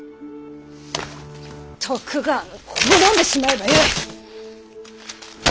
徳川など滅んでしまえばよい！